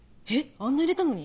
あんな入れたのに？